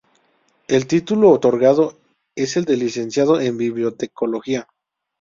El título otorgado es el de licenciado en bibliotecología.